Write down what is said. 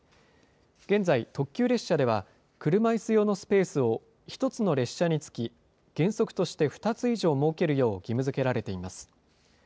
現在、特急列車では車いす用のスペースを１つの列車につき、原則として２つ以上設けるよう義務づけられています。